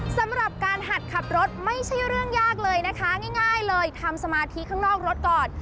สำหรับการหัดขับรถไม่ใช่เรื่องยากเลยนะคะง่ายเลยทำสมาธิข้างนอกรถก่อน